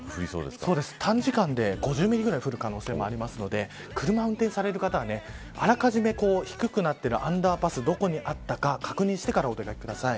短時間で５０ミリぐらい降る可能性もあるので車を運転される方はあらかじめ低くなっているアンダーパスどこにあったか確認してからお出掛けください。